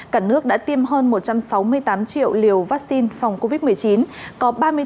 cả nước đã tiêm hơn một trăm sáu mươi tám triệu liều vaccine phòng covid một mươi chín